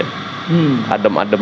adem adem saja kan harusnya